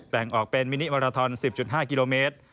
แบ่งออกเป็นมินิมาราทอน๑๐๕กิโลเมตร